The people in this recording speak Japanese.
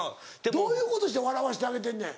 どういうことして笑わしてあげてんねん？